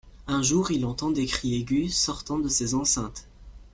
Un jour, il entend des cris aigus sortant de ses enceintes.